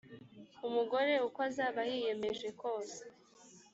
umugore uko azaba yiyemeje kose.